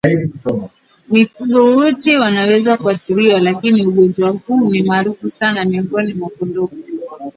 Mifugo wote wanaweza kuathiriwa lakini ugonjwa huu ni maarufu sana miongoni mwa kondoo